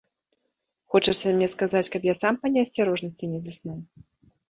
Хочаце мне сказаць, каб я сам па неасцярожнасці не заснуў?